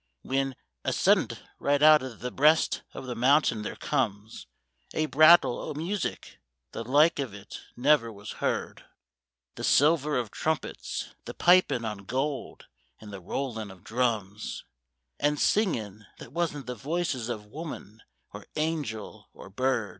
Whin a suddint right out of the breast of the mountain there comes A brattle o' music, the like of it never was heard, — The silver of trumpets, the pipin' on gold, and the rollin' of drums, And singin' that wasn't the voices of woman or angel or bird